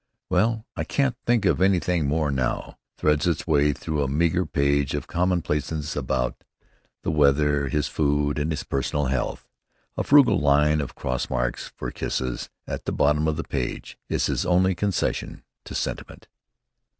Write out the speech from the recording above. "Well, I can't think of anything more now," threads its way through a meager page of commonplaces about the weather, his food, and his personal health. A frugal line of cross marks for kisses, at the bottom of the page, is his only concession to sentiment.